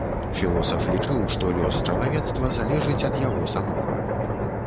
Філосаф лічыў, што лёс чалавецтва залежыць ад яго самога.